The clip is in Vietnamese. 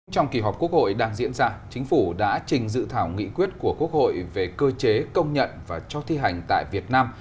trong kỳ họp quốc hội đang diễn ra chính phủ đã trình dự thảo nghị quyết của quốc hội về cơ chế công nhận và cho thi hành tại việt nam